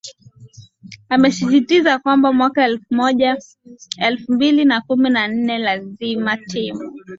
amesisitiza kwamba mwaka elfu mbili na kumi na nne lazima timu